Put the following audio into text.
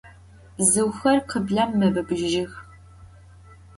Бзыухэр къыблэм мэбыбыжьых